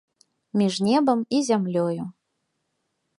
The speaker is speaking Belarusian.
Між небам і зямлёю.